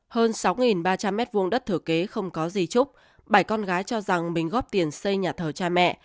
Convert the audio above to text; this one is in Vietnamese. hơn sáu ba trăm linh m hai đất thử kế không có gì trúc bảy con gái cho rằng mình góp tiền xây nhà thờ cha mẹ